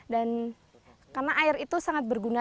dan karena air itu sangat berguna